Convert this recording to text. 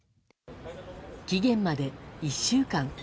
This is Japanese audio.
期限まで１週間。